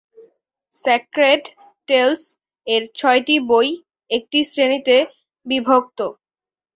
"Sacred tales" এর ছয়টি বই "একটি শ্রেণীতে বিভক্ত।